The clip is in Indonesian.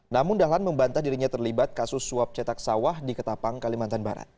namun dahlan membantah dirinya terlibat kasus suap cetak sawah di ketapang kalimantan barat